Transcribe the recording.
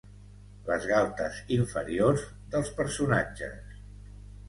Les galtes inferiors dels personatges.